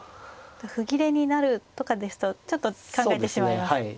歩切れになるとかですとちょっと考えてしまいますね。